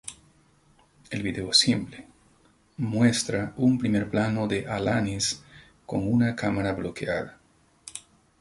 El video es simple, muestra un primer plano de Alanis con una cámara bloqueada.